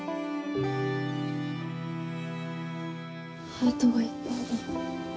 ハートがいっぱいだ。